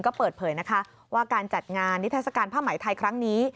ก็เปิดเผยนะคะว่าการจัดงานนิทัศกาลผ้าไหมไทยครั้งนี้